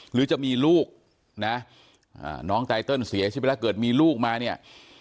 หรือจะมีลูกนะน้องไตเติลเสียชีวิตไปแล้วเกิดมีลูกมาเนี่ย